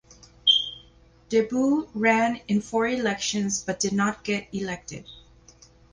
De Boo ran in four elections but did not get elected.